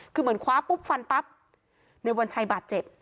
คือเหมือนคว้าปุ๊บฟันปั๊บในวันชัยบาดเจ็บ